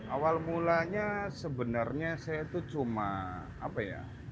awal mulanya sebenarnya saya itu cuma apa ya